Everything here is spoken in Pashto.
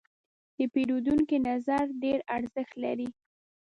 د پیرودونکي نظر ډېر ارزښت لري.